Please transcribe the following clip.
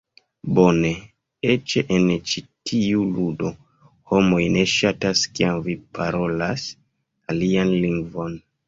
Bone! Eĉ en ĉi tiu ludo, homoj ne ŝatas kiam vi parolas alian lingvon.